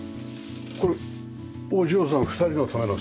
これお嬢さん２人のためのスペース？